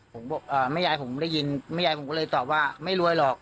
ผมบอกแม่ยายผมได้ยินแม่ยายผมก็เลยตอบว่าไม่รวยหรอก